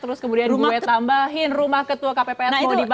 terus kemudian gue tambahin rumah ketua kpps mau dibakar dan lain sebagainya ya